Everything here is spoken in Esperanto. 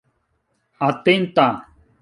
atenta